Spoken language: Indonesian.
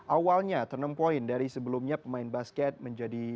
awalnya ternempoin dari sebelumnya pemain basket menjadi